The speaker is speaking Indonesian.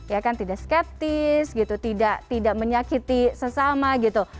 ya kan tidak skeptis gitu tidak menyakiti sesama gitu